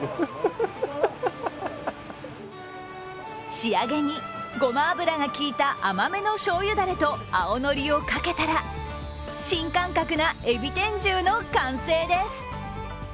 仕上げに、ごま油がきいた甘めのしょうゆだれと青のりをかけたら新感覚な海老天重の完成です。